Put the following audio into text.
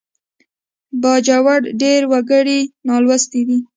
د باجوړ ډېر وګړي نالوستي دي